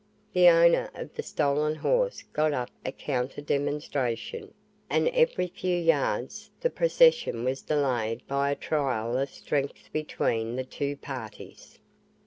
The owner of the stolen horse got up a counter demonstration, and every few yards, the procession was delayed by a trial of strength between the two parties.